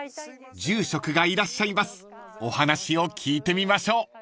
［住職がいらっしゃいますお話を聞いてみましょう］